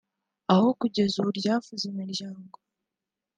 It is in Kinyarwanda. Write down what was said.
aho kugeza ubu ryafuze imiryango